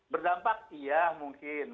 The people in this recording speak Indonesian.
berdampak iya mungkin